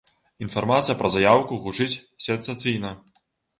Інфармацыя пра заяўку гучыць сенсацыйна.